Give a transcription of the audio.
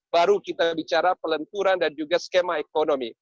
baru kita bicara pelenturan dan juga skema ekonomi